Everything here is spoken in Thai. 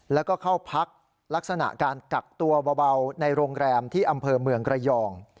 แล้วก็เข้าพักลักษณะการกักตัวเบาในโรงแรมที่อำเภอเมืองระยอง